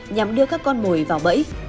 nhằm đưa các con mồi vào bẫy